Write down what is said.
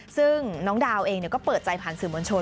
ซึ่งน้องดาวเองก็เปิดใจผ่านสื่อมวลชน